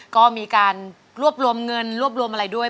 ก็มีการรวบรวมเงินรวบรวมอะไรด้วย